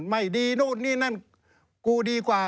ไม่ดีนู่นนี่นั่นกูดีกว่า